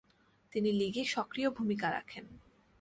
তিনি লীগে সক্রিয় ভূমিকা রাখেন।